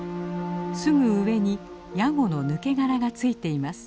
すぐ上にヤゴの抜け殻がついています。